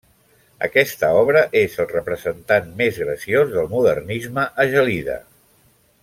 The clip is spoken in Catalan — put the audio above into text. Aquesta obra és el representant més graciós del Modernisme a Gelida.